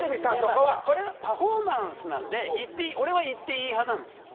これはパフォーマンスなんで俺は行っていい派なんです。